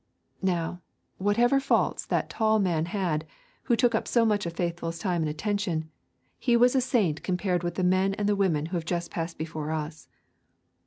Now, whatever faults that tall man had who took up so much of Faithful's time and attention, he was a saint compared with the men and the women who have just passed before us.